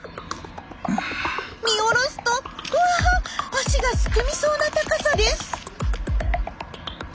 見下ろすとうわ足がすくみそうな高さです！